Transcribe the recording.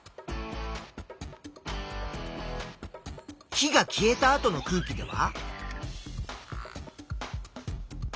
火が消えた後の空気では？